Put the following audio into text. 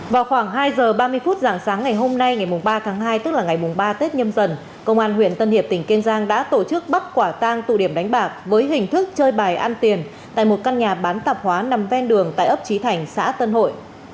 vào khoảng hai giờ ba mươi phút dạng sáng ngày hôm nay ngày ba tháng hai tức là ngày ba tết nhâm dần công an huyện tân hiệp tỉnh kiên giang đã tổ chức bắt quả tang tụ điểm đánh bạc với hình thức chơi bài ăn tiền tại một căn nhà bán tạp hóa nằm ven đường tại ấp trí thành xã tân hội